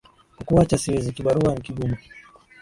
kukuwacha siwezi kibarua ni kigumu